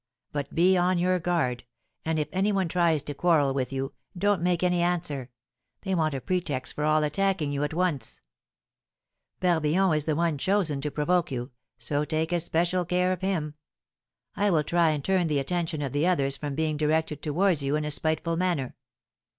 But be on your guard; and if any one tries to quarrel with you, don't make any answer; they want a pretext for all attacking you at once. Barbillon is the one chosen to provoke you, so take especial care of him. I will try and turn the attention of the others from being directed towards you in a spiteful manner."